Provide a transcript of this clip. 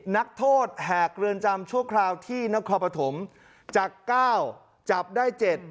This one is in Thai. นักโทษแหกเรือนจำชั่วคราวที่นครปฐมจาก๙จับได้๗